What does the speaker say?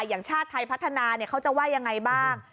อย่างชาติไทยพัฒนาเขาจะว่ายังไงบ้าง